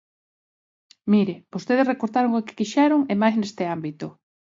Mire, vostedes recortaron o que quixeron e máis neste ámbito.